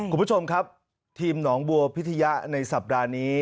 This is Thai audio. คุณผู้ชมครับทีมหนองบัวพิทยะในสัปดาห์นี้